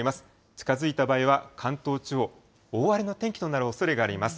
近づいた場合は関東地方、大荒れの天気となるおそれがあります。